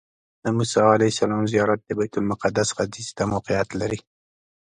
د موسی علیه السلام زیارت د بیت المقدس ختیځ ته موقعیت لري.